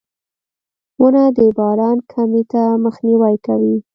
• ونه د باران کمي ته مخنیوی کوي.